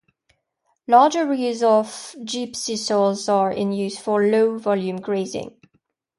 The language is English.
Large areas of Gypsisols are in use for low volume grazing.